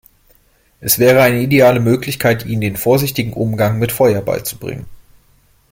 Es wäre eine ideale Möglichkeit, ihnen den vorsichtigen Umgang mit Feuer beizubringen.